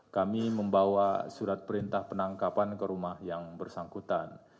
kami membawa surat perintah penangkapan ke rumah yang bersangkutan